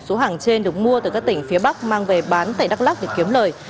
số hàng trên được mua từ các tỉnh phía bắc mang về bán tại đắk lắc để kiếm lời